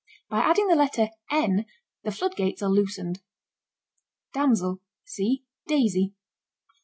By adding the letter "n" the floodgates are loosened. DAMSEL. See Daisy.